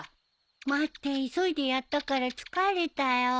待って急いでやったから疲れたよ。